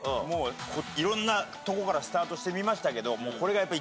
いろんなとこからスタートしてみましたけど。